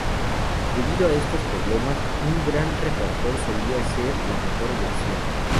Debido a estos problemas, un gran refractor solía ser la mejor elección.